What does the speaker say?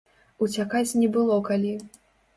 Уцякаць не было калі.